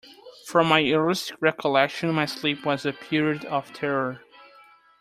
From my earliest recollection my sleep was a period of terror.